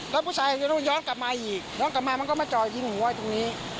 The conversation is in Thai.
แล้วผู้ชายมันย้อนกลับมาอีกแล้วกลับมามันก็มาเจาะยิงหัวตรงนี้